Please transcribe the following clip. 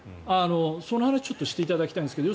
その話をちょっとしていただきたいんですけど。